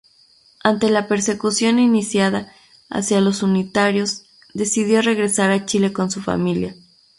Ante la persecución iniciada hacia los unitarios, decidió regresar a Chile con su familia.